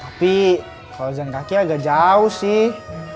tapi kalau jalan kaki agak jauh sih